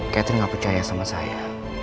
catering gak percaya sama saya